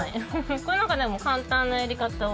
これはなんかでも簡単なやり方を。